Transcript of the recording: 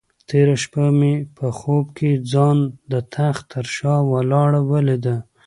تېره شپه مې په خوب کې ځان د تخت تر شا ولاړه ولیده.